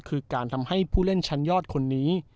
คือการทำให้ผู้เล่นชั้นยอดคนนี้